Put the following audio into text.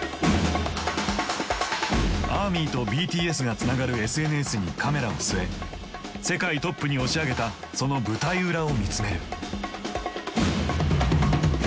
アーミーとＢＴＳがつながるＳＮＳにカメラを据え世界トップに押し上げたその舞台裏を見つめる。